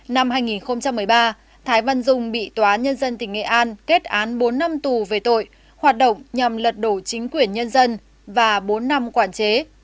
năm hai nghìn một mươi ba thái văn dung bị tòa nhân dân tỉnh nghệ an kết án bốn năm tù về tội hoạt động nhằm lật đổ chính quyền nhân dân và bốn năm quản chế